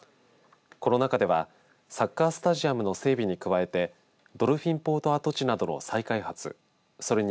この中ではサッカースタジアムの整備に加えてドルフィンポート跡地などの再開発。